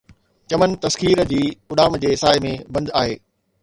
چمن تسخير جي اڏام جي سائي ۾ بند آهي